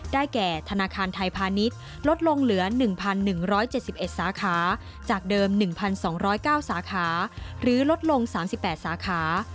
แก่ธนาคารไทยพาณิชย์ลดลงเหลือ๑๑๗๑สาขาจากเดิม๑๒๐๙สาขาหรือลดลง๓๘สาขา